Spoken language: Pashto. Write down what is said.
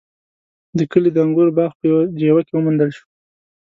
د کلي د انګورو باغ په يوه جیوه کې وموندل شو.